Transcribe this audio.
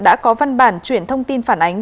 đã có văn bản chuyển thông tin phản ánh